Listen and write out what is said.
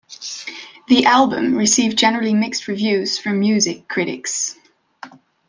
The album received generally mixed reviews from music critics.